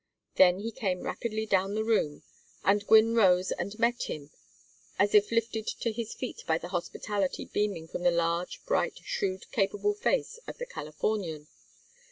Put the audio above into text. Then he came rapidly down the room, and Gwynne rose and met him as if lifted to his feet by the hospitality beaming from the large bright shrewd capable face of the Californian.